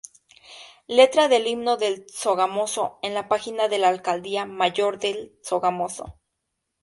Letra del himno de Sogamoso en la página de la Alcaldía Mayor de Sogamoso.